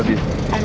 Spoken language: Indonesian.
ibu aku cintaimu